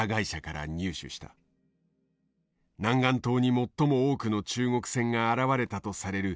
南竿島に最も多くの中国船が現れたとされる